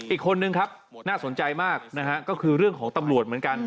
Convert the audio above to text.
อีกคนนึงครับน่าสนใจมากนะฮะก็คือเรื่องของตำรวจเหมือนกัน